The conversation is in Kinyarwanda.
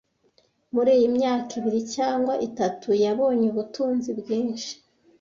Muri iyi myaka ibiri cyangwa itatu, yabonye ubutunzi bwinshi.